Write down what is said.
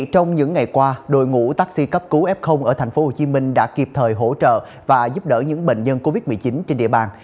trong những ngày qua đội ngũ taxi cấp cứu f ở tp hcm đã kịp thời hỗ trợ và giúp đỡ những bệnh nhân covid một mươi chín trên địa bàn